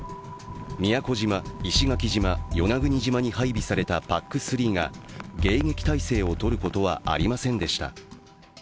宮古島、石垣島、与那国島に配備されたＰＡＣＳが迎撃態勢をとることはありませんでした。